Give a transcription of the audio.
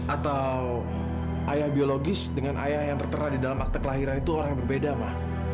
atau ayah biologis dengan ayah yang tertera di dalam akte kelahiran itu orang yang berbeda mah